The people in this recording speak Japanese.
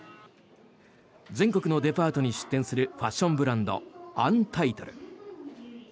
全国のデパートに出店するファッションブランドアンタイトル。